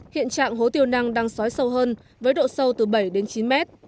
hiện trạng hố tiêu năng đang xói sâu hơn với độ sâu từ bảy chín m